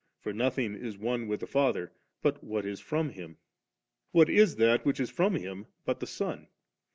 For nothing is one with the Father, but what is from Him. What is that which is from Him but the Son